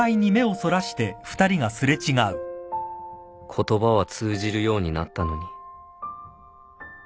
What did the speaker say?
言葉は通じるようになったのに